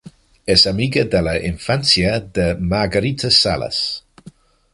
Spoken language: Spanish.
Es amiga de la infancia de Margarita Salas.